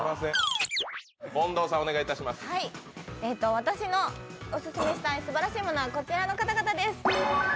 私のオススメしたいすばらしいものはこちらの方々です。